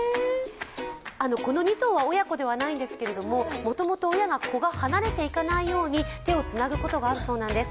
この２頭は親子ではないんですけどもともと親が子が離れていかないように手をつなぐことがあるそうなんです。